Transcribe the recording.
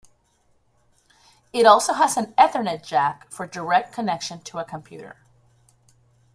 It also has an ethernet jack for direct connection to a computer.